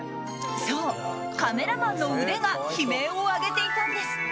そう、カメラマンの腕が悲鳴を上げていたんです。